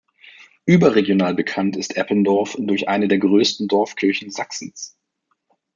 Überregional bekannt ist Eppendorf durch eine der größten Dorfkirchen Sachsens.